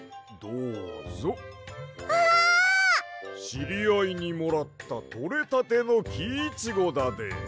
しりあいにもらったとれたてのキイチゴだで。